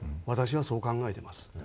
私はそう考えています。